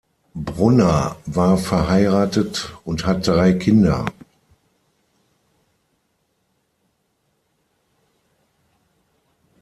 Brunner war verheiratet und hat drei Kinder.